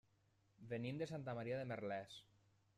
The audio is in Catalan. Venim de Santa Maria de Merlès.